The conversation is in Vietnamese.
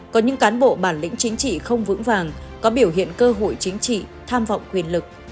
có những cán bộ bản lĩnh chính trị không vững vàng có biểu hiện cơ hội chính trị tham vọng quyền lực